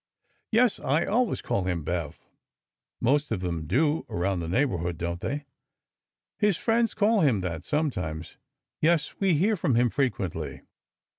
" Yes. I always call him Bev. Most of them do around the neighborhood, don't they ?"" His friends call him that sometimes. Yes, we hear from him frequently."